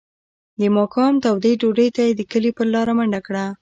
د ماښام تودې ډوډۍ ته یې د کلي په لاره منډه کړه.